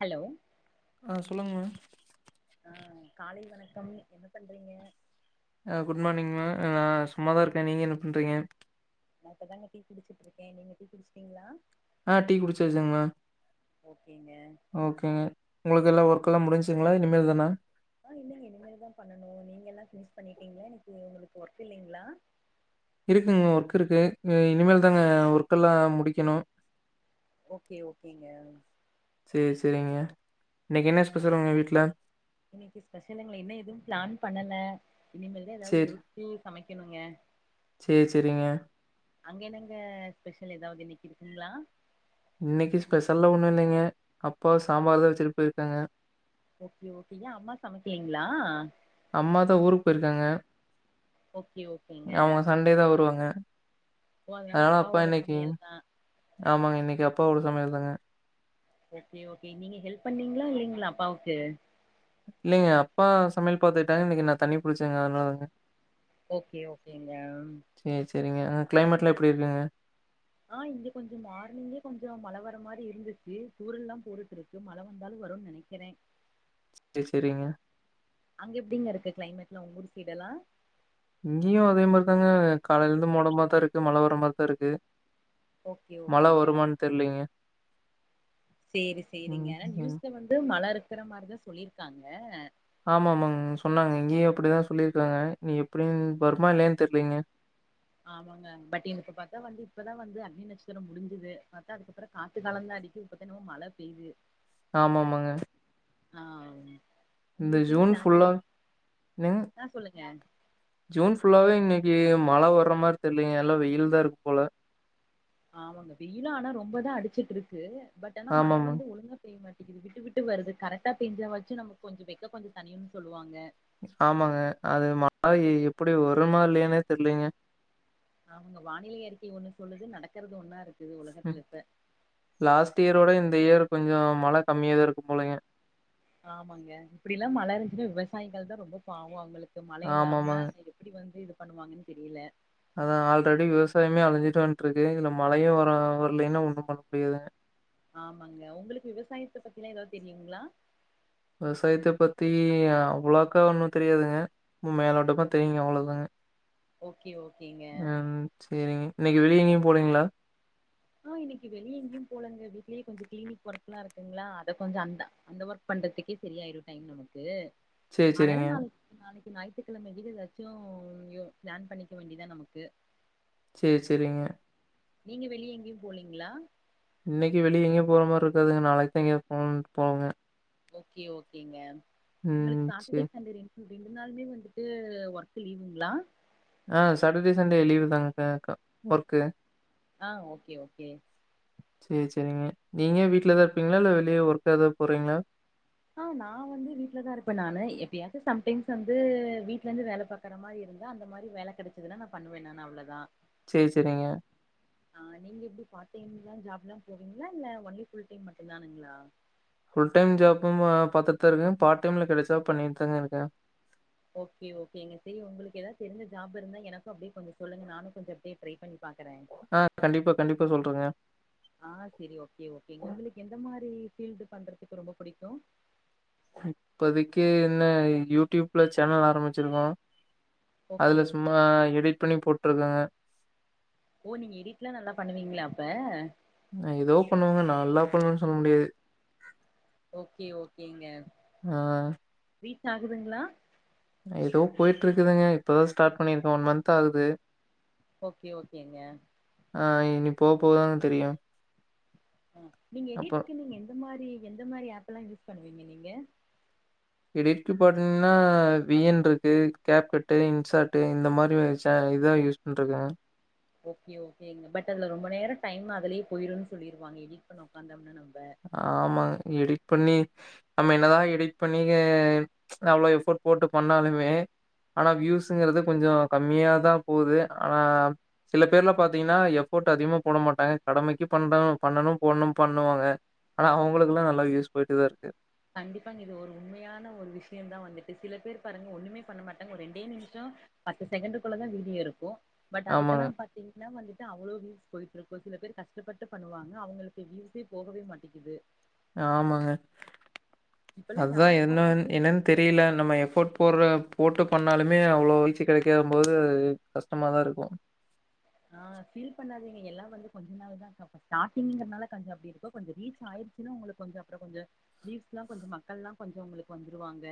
Hello ஆ சொல்லுங்க ma'am ஆ காலை வணக்கம் என்ன பன்றீங்க ஹ குட் மார்னிங் மா நா சும்மாதா இருக்கேன் நீங்க என்ன பண்றீங்க நா இப்பதாங்க டீ குடிச்சிட்டு இருக்கேன் நீங்க டீ குடிச்சிட்டீங்களா ஆ டீ குடிச்சாச்சி மா ஓகேங்க ஓகேங்க உங்களுக்கு எல்லாம் ஒர்க க்குல்லாம் முடிஞ்ச்சுங்ளா இனிமேல் தானா ஆஹ் இல்லைங்க இனிமேலு தான் பண்ணும் நீங்க எல்லாம் பண்ணிட்டீங்களா இன்னைக்கு உங்களுக்க ஒர்க் இல்லலைங்களா இருக்குங்க ஒர்க் இருக்கு இனிமேல தாங்க ஒர்க்கெல்லாம் முடிக்கணும் ஓகே ஓகேங்க சரி சரிங்க இன்னைக்கு என்ன ஸ்பெஷல்லுங்க உங்க வீட்டுல இன்னைக்கு ஸ்பெஷல்லாங்க என்ன எதுவும் பிளான் பண்ணல இனிமேலாவது யோசிச்சி சமைக்கனும் சமைக்கனுங்க செரி செரிங்க அங்க என்னங்க ஸ்பெஷல் ஏதாவது இன்னைக்கு இருக்குங்களா இன்னைக்கு ஸ்பெஷல்லா ஒண்ணும் இல்லைங்க அப்பா சாம்பார் தான் வச்சுட்டு போயிருக்காங்க ஓகே ஓகே ஏன் அம்மா சமைக்கலீங்களா அம்மாதான் ஊருக்கு போயிருக்காங்க ஓகே ஓகேங்க அவங்க சண்டே தான் வருவாங்க ஓ அதனால அப்பா அப்பாவோட இன்னைக்கு சமையல் தா ஆமாங்க இன்னைக்கு அப்ப அப்பாவோட சமையல்தாங்க ஓகே ஓகே நீங்க ஹெல்ப் பண்ணீங்களா இல்லைங்களா அப்பாவுக்கு இல்லைங்க அப்பா சமையல் பாத்துகிட்டாங்க இன்னைக்கு நான் தண்ணி புடிச்சங்க அதனாலதாங்க ஓகே ஓகேங்க [unintelligible] கிளைமேட்டலாம் எப்டி இருக்குங்க ஆஹ் இங்க கொஞ்சம் மார்னிங்கே கொஞ்சம் மழைவர மாரி இருந்துச்சு தூரல் எல்லாம் போட்டுட்டு இருக்கு மழை வந்தாலும் வரும்னு நினைக்கிறேன் சரி சரிங்க அங்க எப்படிங்க இருக்கு கிளைமேட்டலாம் உங்க ஊரு சைடு எல்லாம் இங்கேயும் அதே மாரிதாங்க காலையில இருந்து மோடமா இருக்கு மழ வர மாதிரிதான் இருக்கு ஓகே மழை ஓகேங்க வருமானான்னு தெரியலங்க சேரி செரிங்க ஆனா ம். நியூஸ்ல வந்து மழை இருக்கிற மாரிதான் சொல்லிருக்காங்க ஆமா ஆமாங்க சொன்னாங்க இங்கேயும் அப்படிதான் சொல்லியிருக்காங்க நீ எப்படிின்னு வருமா இல்லலைன்னு தெரியலீங்க ஆமாங்க பட் எனக்கு பார்த்தா வந்து இப்பதான் வந்து அக்னி நட்சத்திரம் முடிஞ்சுது பார்த்தா அதுக்கப்புறம் காத்து காலந்தான் அடிக்குது இப்பதான் என்னம மழை பெய்து ஆமாமாங்க ஆஹ் மா இந்த ஜூன் ஃபுல்லா என்ங்க ஆ சொல்லுங்க ஜூன் ஃபுல்லாவே இன்னைக்கு மழை வர மாரி தெரியலங்க எல்லாம் வெயில் தான் இருக்கு போல ஆமாங்க வெயிலும் ஆனா ரொம்ப தான் அடிச்சுட்டு இருக்கு பட் ஆனா மழ ஆமாமாங்க. வந்து ஒழுங்கா பெய்ய மாட்டேங்குது இது விட்டு விட்டு வருது கரெக்டார பெஞ்சா வச்சும் நம்மக்கு வேக்கம் கொஞ்சம் தனியும்னு சொல்லுவாங்க ஆமாங்க அது மாறிரி எப்டி வருமா இல்லையானே தெரியலீங்க அவங்க வானிலை அறிக்கை ஒண்ணு சொல்லுது நடக்கறது ஒன்னா இருக்கு ம் லாஸ்ட் இயரோட இந்த இயர் கொஞ்சோம் மழ கம்மியா தான் இருக்கும் போலங்க ஆமாங்க இப்டிலாம் மழ இருந்துசுன்னா விவசாயிகள் தான் ரொம்ப பாவம் அவங்களுக்கு இந்த மழ ஆமாமாங்க. இல்லாம எப்படி வந்து இ பண்ணுவாங்கன்னு தெரியல அதான் ஆல்ரெடி விவசாயமே அழிஞ்சிட்டு வந்துட்டு இருக்கு இதுல மழையும் வர வரலைன்னா ஒண்ணு பண்ண முடியாது ஆமாங்க உங்களுக்கு விவசாயத்த பத்தி எதலாம் தெரியுங்களா விவசாயத்த பத்தி அவ்வளோக்கா ஒன்னும் தெரியாதுங்க மேலோட்டமா ஓ தெரியுங்க அவ்ளோ தாங்க ஓகே ஓகேங்க ம் செரிங்க இன்னைக்கி வெளிய எங்கேயும் போலங்களா ஆ இன்னைக்கி வெளிய எங்கயும் போலங்க வீட்லேயே கொஞ்சம் கிளினிக் ஒர்க்லாம் இருக்குங்களா அத கொஞ்சம் அந்த அந்த ஒர்க் பண்றதுக்கே சரியாயிரும் டைம் நமக்கு சரி, சரிங்க. அதான் நா நாளைக்கு ஞாயிற்றுக்கிழமை ஏதாச்சும் எங்யும் பிளான் பண்ணிக்க வேண்டியதான் நமக்கு சேர் செரிங்க நீங்க வெளிய எங்கியும் போலீங்ளா இன்னைக்கி வெளியே எங்கே போற மாரி இருக்காதுங்க நாளைக்கு தான் எங்க போனு போவங்க ஓகே ஓகேங்க உங்களுக்கு ம் செரி சாட்டர்டே சண்டே ரெண்டு ரெண்டு நாளுமே வந்துட்டு ஒர்க் லீவுங்களா ஆ சாட்டர்டே சண்டே லீவ் தாங்க ஒர்க் ஆ ஓகே ஓகே சேரி செரிங்க நீங்க வீட்லதான் இருப்பீங்களா இல்ல வெளியே ஒர்க் ஏதாது போறீங்களா ஆ நான் வந்து வீட்டு்லதான் இருப்பேன் நானு எப்பயாவுது சம்டைம்ஸ் வந்து வீட்டுல இருந்து வேல பாக்குற மாரி இருந்தா அந்த மாரி வேல கிடைச்சதுன்னா நான் பண்ணுவேன் நான் அவ்ளோதான் சரி, சரிங்க. ஆ நீங்க எப்டி பார்ட் டைம் ஜாப்ல்லாம் போவீங்களா இல்ல ஒன்லி ஃபுல் டைம் மட்டும் தானுங்களா புல் டைம் ஜாபும் அ பாத்துட்டு தான் இருக்கேன் பார்ட் டைம்ல கிடைச்சா பண்ணிட்டு தாங்க இருக்கேன் ஓகே ஓகேங்க செரி உங்களுக்கு ஏதாவது தெரி்ஞ்ச ஜாப் இருந்தா எனக்கும் அப்டியே கொஞ்சோம் சொல்லுங்க நானும் கொஞ்சோம் அப்டியே ட்ரை பண்ணி பாக்குறேன் கண்டிப்பா, கண்டிப்பா சொல்றேங்க. ஆ சரி ஓகே ஓகே உங்களுக்கு எந்த மாரி ஃபீல்டு பண்றது எனக்கு ரொம்ப புடிக்கும் இப்பதிக்கு என்ன யூடியூப்ல சேனல் ஆரம்பிச்சிருக்கோம் ஓகே அதுல சும்மா ஓகேங்க எடிட் பண்ணி போட்டுருக்கங்க ஓ நீங்க எடிட்லாம் நல்லா பண்ணுவீங்களா அப்ப நான் ஏதோ பண்ணுவாங்க நல்லா பண்ணுவேன்னு சொல்ல முடியாது ஓகே ஓகேங்க ஆ ரீச் ஆகுதுங்களா ஏதோ போயிட்டு இருக்குதுங்க இப்பதான் ஸ்டார்ட் பண்ணியிருக்கேன் ஒன் மந்த் ஆகுது ஓகே ஓகேங்க ஆ இனி போ போதாங்க தெரியும் நீங்க அப்புறம் எடிட்க்கு நீங்க எந்த மாரி எந்த மாரி ஆப் எப்லாம் யூஸ் பண்ணுவீங்க நீங்க எடிட்க்கு பாத்தீங்கன்னா வி என் இருக்கு கேப் கட்டு இன்சார்ட் இந்த மாரிச்ச இதுதான் யூஸ் பண்ணிட்ருக்கேங்க ஓகே ஓகேங்க பட் அதுல ரொம்ப நேரம்டைம் அதுலயே போயிரும் சொல்லிருவாங்க எடிட் பண்ண உக்காந்தோம்னா நாம ஆமாங்க எடிட் பண்ணி நம்ம என்னதா எடிட் பண்ணி அவ்வளவு எஃபோர்ட் போட்டு பண்ணாலுமே ஆனா வியூஸுங்கிறது கொஞ்சம் கம்மியாதான் போகுது ஆனா சில பேர்ல பாத்தீங்கன்னா எஃபோர்ட் அதிகமா போட மாட்டாங்க கடமைக்கு பண்றாம் பண்ணனும் போடணும் பண்ணுவாங்க ஆனா அவங்களுக்கெல்லாம் நல்லா வியூஸ் போயிட்டுதான் இருக்கு கண்டிப்பாங்க இது ஒரு உண்மையான ஒரு விஷயம் தான் வந்துட்டு சில பேர் பாருங்க ஒண்ணுமே பண்ண மாட்டாங்க ஒரு ரெண்டே நிமிஷம் பத்து செகண்டுக்குள்ள தான் வீடியோ இருக்கும் பட் ஆமாங்க. அதுக்கெல்லாம் பாத்தீங்கன்னா வந்து அவ்வளோ வீவஸ் போயிட்டு இருக்கோ சில பேர் கஷ்டப்பட்டு பண்ணுவாங்க அவங்களுக்கு வீவஸே போகவே மாட்டேங்குது ஆமாங்க இப்பெல்லா அதுதான் யாரு என்ன பாத்தாலுமே என்னன்னு தெரியல நம்ம எஃபோர்ட் போடுற போட்டு பண்ணாலுமே அவ்வளோ வீழ்ச்சி கிடைக்கும் போது கஷ்டமாக தான் இருக்கும் ஆஹ் ஃபீல் பண்ணாதீங்க எல்லாம் வந்துஞ்ச நாள் தான் இரு ஸ்டாரிங்கறனால கொஞ்சம் அப்படி இருக்கும் கொஞ்சம் ரீச் ஆயிருச்சுன்னா உங்களுக்கு கொஞ்சம் அப்றகொஞ்சம் லீ்ஸ்லாம் கொஞ்சம் மக்கல்லாம் கொஞ்ச வந்துருவாங்க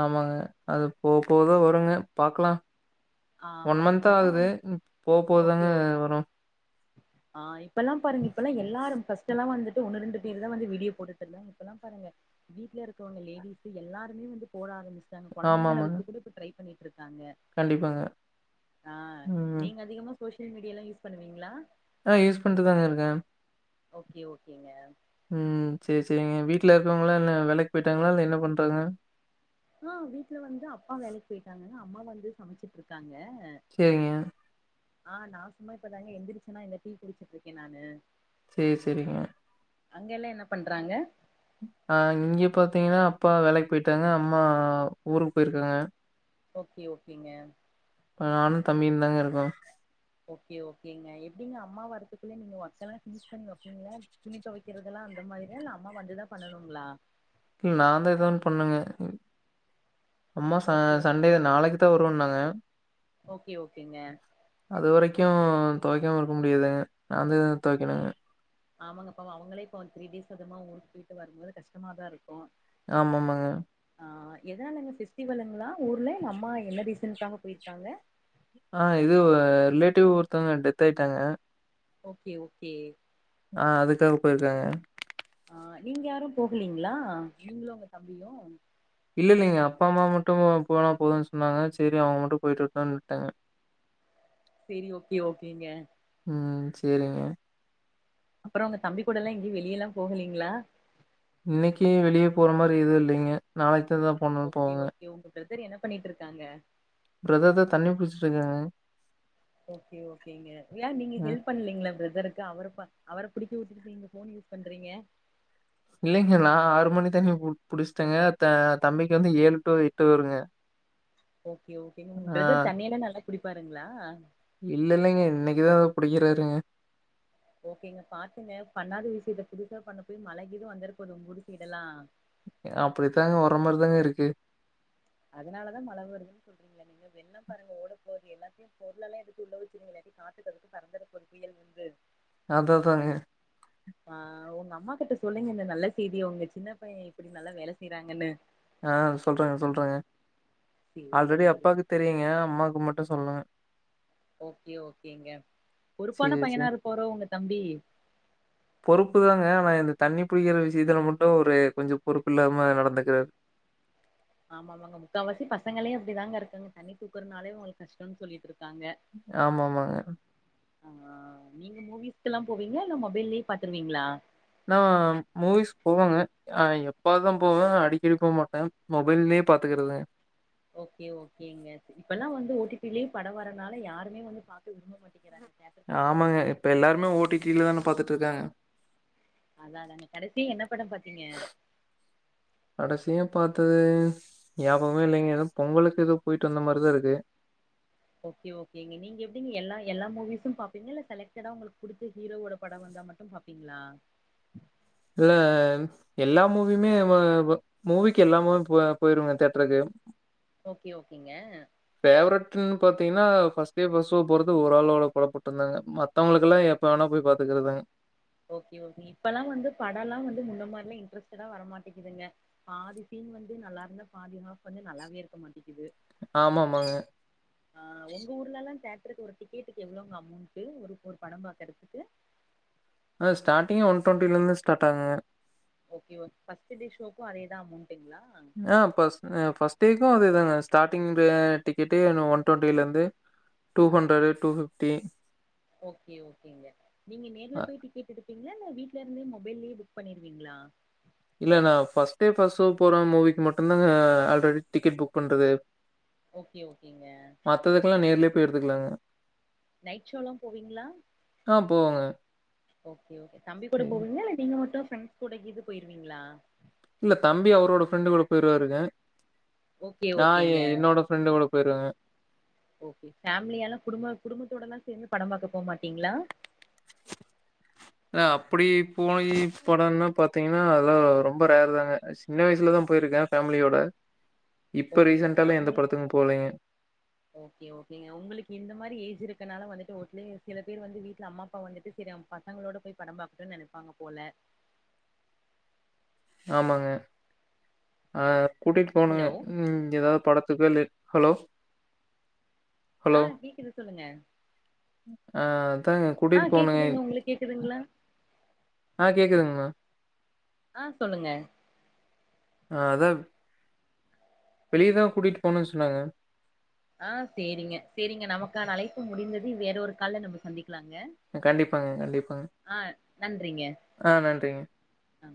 ஆமாங்க அது போ போதா வருங்க பாக்கலாம் ஒன் ஆமாங்க மந்த்தா இப்பெல்லா ஆகுது வந்து போக போதாங்க வரும் ஆஹ் இப்ப எல்லாம் பாருங்க இப்பெல்லாம் எல்லாரும் ஃபர்ஸ்ட் எல்லாம் வந்துட்டு ஒண்ணு ரெண்டு பேர் தான் வந்து வீடியோ போட்டுட்டு இருந்தங்க இப்பல்ல பாருங்க வீட்டுல இருக்கிறங்க லேடிஸ் எல்லாருமே வந்து போட ஆரம்பிச்சு ங்க குழந்தைளை ஆமாமாங்க. வச்சு கூட இப்ப ட்ரை பண்ணி இருக்காங்க கண்டிப்பாங்க. ஆஹ் ம். நீங்க அதிகமா சோசியல் மீடியலாம் யூஸ் பண்ணுவீங்களா ஆஹ் யூஸ் பண்ட்டுதாங்க இருக்கேன் ஓக்கே ஓகேங்க உம் சரி சரிங்க வீட்டுல இருக்கவங்களா இல்ல வேலைக்கு போயிட்டாங்களா இல்ல என்ன பண்றாங்க ஆஹ் வீட்டுல வந்து அப்பா வேலைக்கு போயிட்டாங்கங்க அம்மா வந்து சமைச்சிட்டு இருக்காங்க செரிங்க ஆஹ் நான் சும்மா இப்பதாங்க எந்திரிச்சுன்னா இந்த டீ குடிச்சிட்டு இருக்கேன் நானு செரி செரிங்க அங்க எல்லா என்ன பண்றாங்க அஹ் இங்க பாத்தீங்கன்னா அப்பா வேலைக்கு போயிட்டாங்க அம்மா ஊருக்கு போயிருக்காங்க ஓகே ஓகேங்க நானும் தம்பியும் தாங்க இருக்கோம். ஓகே ஓகேங்க எப்டிங்க அம்மா வரதுக்குள்ளே நீங்க ஒர்க்கெல்லாம் பினிஷ் பண்ணி வைப்பீங்களா துணி தொவைக்கிறதல்லாம் அந்த மாதிரிதான் இல்ல அம்மா வந்துதான் பண்ணணுங்களா இல்ல நான் தான் ஏதோ ஒண்ணு பண்ணுங்க அம்மா ச ஓகே ஓகே சண்டே நாளைக்கு தான் வருவேன்னாங்க ஓகே ஓகேங்க அது வரைக்கும் துவைக்காம இருக்க முடியாதுங்க நான் தா துவைக்கணுங்க ஆமாங்கப்ப அவங்களே இப்ப த்ரீ டேஸ் அதுமா ஊருக்கு போய்ட்டு வரும்போது கஷ்டமாதான் இருக்கும் ஆமாமாங்க ஆஹ் எதனால எங்க ஸ்டிவலுங்களா ஊர்ல அம்மா என்ன ரீசென்னுகாக போயிருக்காங்க ஆஹ் இது ரிலேட்டிவ் ஒருத்தவங்க டெத் ஆயிட்டாங்க ஓகே ஓகே ஆஹ் அதுக்காக போயிருக்காங்க ஆஹ் நீங்க யாரும் போகலீங்களா நீங்களும் உங்க தம்பியும் இல்ல இல்லைங்க அப்பா அம்மா மட்டும் போனா போதுன்னு சொன்னாங்க சரி அவங்க மட்டும் போயிட்டு வட்டோனுவிட்டேங்க சரி ஓகே ஓகேங்க உம் செரிங்க அப்புறம் உங்க தம்பி கூடல்லாம் எங்கேயும் வெளிய எல்லாம் போகலீங்களா இனைக்கு வெளியே போற மாதிரி எது இல்லைங்க நாளைக்கு இது தான் [unintelligible] சரி என்ன பண்ணிட்டு இருக்காங்க பிரதர் தான் தண்ணி புடிச்சிட்டு இருக்காங்க ஓகே ஓகேங்க நீங்க ம். ஹெல்ப் பண்ணலீங்களா பிரதருக்கு அவரு பா அவர புடிக்க விட்டுட்டுட்டு நீங்க போன் யூஸ் பண்றீங்க இல்லைங்க நான் ஆறு மணிக்கு தண்ணி புடிச்சட்டேங்க தம்பிக்கு வந்து ஏழு டு எட்டு வருங்க ஓகே ஓகே ஆ பிரதர் தண்ணிய எல்லாம் நல்லா குடிப்பாருங்ளா இல்ல இல்லைங்க இன்னைக்குதான் புடிக்கிறாருங்க ஓகேங்க பாத்துங்க பண்ணாத விசயத்த புதுசா பண்ண போய் மழ கீதும் வந்துற போது உங்க ஊர்ரு சைடுஎல்லாம் அப்படித்தாங்க வர மாதிரிதாங்க இருக்கு அதனாலதான் மழை வருதுன்னு சொல்றீங்களா நீங்க வெள்ளம் பாருங்க ஓட போது எல்லாத்தையும் பொருள எல்லாம் எடுக்கு உள்ள வச்சுங்க எல்லாைத்தையும் காத்துக்கயாதுக்கும் பறந்துடற போது புயல் வந்து அது தாங்க ஆஹ் உங்க அம்மா கிட்ட சொல்லுங்க இந்த நல்ல செய்திய உங்க சின்ன பையன் இப்படி நல்லா வேலை செய்யறாங்கன்னு ஆஹ் சொல்றேங்க சொல்றேங்க சேரி ஆல்ரெடி சேரி அப்பாக்கு தெரியுங்க அம்மாக்கு மட்டும் சொல்லுங்க ஓகே ஓகேங்க பொறுப்பான சரி பையனா சரி இருப்பாரோ உங்க தம்பி பொறுப்புதாங்க நான் இந்த தண்ணி புிடிக்கிற விஷயத்துல மட்டும் ஒரு கொஞ்சம் பொறுப்பு இல்லாம நடந்துக்கிறாரு ஆமாமாங்க முக்கால்வாசி பசங்களே அப்படிதாங்க இருக்குாங்க தண்ணி தூக்குறதுனாலே உங்களுக்கு கஷ்டம்னு சொல்லிட்டு இருக்கு ஆமாமாங்க ஆஹ் நீங்க மூவிஸ்க்கெல்லாம் போவீங்களா இல்ல மொபைல்லயே பாத்துருவீங்களா நான் மூவிஸ் போவேங்க எப்ப தான் போவேன் அடிக்கடி போக மாட்டேன் மொபைல்லயே பாத்துக்கறிறது ஓகே ஓகேங்க இப்பெல்லாம் வந்து ஓடிபிலயே பட வரறனால யாருமே வந்து பா்த்த விரும்ப மாட்டேிக்கிறாங்க ஆமாங்க இப்ப எல்லாருமே ஓ டி டில தான பாத்துட்ருக்காங்க அதான் தாங்க கடைசி என்ன படம் பாத்தீங்க கடைசியா பாத்தது ஞாபகமே இல்லைங்க ஏதோ பொங்கலுக்கு ஏதோ போயிட்டு வந்த மாரிதான் இருக்கு ஓகே ஓகேங்க நீங்க எப்படிங்க எல்லா எல்லா மூவிஸ் பாப்பீங்களா இல்ல செலக்டடா உங்களுக்கு குடுத்த ஹீரோட படம் வந்தா மட்டும் பாப்பீங்ளா இல்ல எல்லா மூவியுமே மூவிக்கு எல்லாமூவி போ போயிருவங்க தியேட்டருக்கு ஓகே ஓகேங்க ஃபேவரட்ன்னு பாத்தீங்கன்னா ஃபர்ஸ்ட்டே ஃபர்ஸ்ட் ஷோ போறது ஒருராளோட [unintelligible] மத்தங்களுக்கு எல்லாம் எப்ப வேணா போய் பாத்துக்கறதாங்க ஓகே ஓகே இப்பல்லாம் வந்து படம் எல்லாம் வந்து முன்ன மாரிலாம் இன்ட்ரெஸ்டடா வர மாட்டேக்குதுங்க பாதி சீன் வந்து நல்லா இருந்தா பாதி ஹாஃப் வந்து நல்லாவே இருக்க மாட்டேக்குது ஆமாமாங்க ஆஹ் உங்க ஊர்ல எல்லாம் தோட்டருக்கு க்கு ஒரு டிக்கெட்டுக்கு எவ்வளவுங்க அமௌண்ட் ஒரு ஒரு படம் பார்கறத்துக்கு ஆஹ ஸ்டார்டி் ஒன் டுவெண்ட்டில இருந்து ஸ்டார்ட் ஆகுங்க ஓகே ஃபர்ஸ்ட்ட்டு டே ஷோக்கும் அதேதான் அமௌன்டா ஆஹ் பஸ்ட்டேக்கும் அதேதான் ஹ ஸ்டாரிங் டிக்கெட்டு ஒன் டுவெண்ட்டில இருந்து two hundred two fifty okay ஓகேங்க நீங்க நேர்ல அ போய் டிக்கெட் எடுப்பீங்கலா இ வீட்டுல இருந்த மொபைல்லயே புக் பண்ணிருவீங்களா இல்ல நான் ஃபஸ்ட்டே பர்ஸ்ட் ஷோ போறன் மூவிக்கு மட்டும்தாங்க ஆல்ரெடி டிக்கெட் புக் பண்றது ஓகே ஓகேங்க மத்ததுக்கெல்லாம் நேர்லயே போய் எடுத்துக்கலாங்க நைட் ஷோலாம் போவீங்களா போவாங்க ஓகே தம்பி கூட போவீங்களா இல்ல நீங்க மட்டும் ஃப்ரெண்ட்ஸ் கூட இது போயிருவீங்களா இல்ல தம்பி அவரோட ஃப்ரெண்டு் கூட போயிருவாருங்க ஓகே ஓகேங்க நான் என்னோட ஃப்ரெண்டோட பெருங்க ஃபேமிலிய எலாம் குடும்ப குடும்பத்தோடலாம் சேர்ந்து படம் பார்க்க போ மாட்டீங்களா இ அப்டி போன படம்னா பாத்தீங்கன்னா அதெலாம் ரொம்ப ரேரு தாங்க சின்ன வயசுலதான் போயிருக்கேன் ஃபேமிலியோட இப்ப ஓகே ஓகே ரீசென்ட்டாலாம் எந்த அவங்க படத்துக்கும் போலைங்க. ஓகே ஓகே உங்களுக்கு இந்த மாரி ஏஜ் இருக்கு இதனால வந்துட்டுடலயே சில பேர் வந்து வீட்டுல அம்மா அப்பா வந்துட்டு சில பசங்களோட போய் படம் பக்கும்ன்னனு நெனப்பாங்க போல ஆமாங்க ஆஹ கூட்டிகிட்டு போகணுங்க ஹலோ உம் ஏதாவது படத்துக்கு இல் ஹலோ ஆ ஹலோ கேக்குது சொல்லுங்க அஹ் அதாங்க ஆ கூட்டிட்டு போனுங்க கேக்குதுங்க உங்களுக்கு கேக்குதுங்ளா ஆஹ் கேக்குதுங்மா ஆஹ் சொல்லுங்க ஆஹ் அதவ் வெளியதான் கூட்டிட்டு போனும்னு சொன்னாங்க ஆஹ் செரிங்க செரிங்க நமக்கான அழைப்பு முடிந்தது வேற ஒரு கால்ல நம்ம சந்திக்க கண்டிப்பாங்க கண்டிப்பாங்க ஆ நன்றிங்க ஆஹ் நன்றிங்க ஆ